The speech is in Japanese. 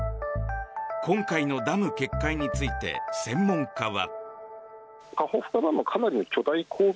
今回のダム決壊について専門家は。